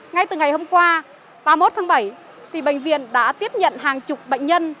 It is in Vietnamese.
ngay từ ngày hôm qua ba mươi một tháng bảy bệnh viện đã tiếp nhận hàng chục bệnh nhân